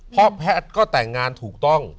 เพราะแพทย์ก็แต่งงานถูกต้อง